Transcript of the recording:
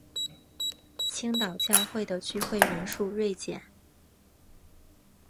青岛教会的聚会人数锐减。